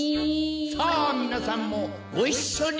さあみなさんもごいっしょにどうぞ！